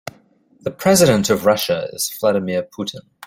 The president of Russia is Vladimir Putin.